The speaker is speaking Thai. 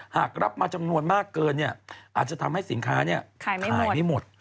หากรับมาจำนวนมากเกินอาจจะทำให้สินค้าขายไม่หมด